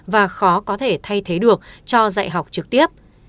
và khó có thể thay thế được cho dạy học trực tiếp